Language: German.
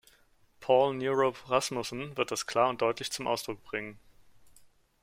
Poul Nyrup Rasmussen wird das klar und deutlich zum Ausdruck bringen.